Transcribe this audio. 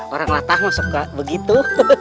orang latah masuk kayak begitu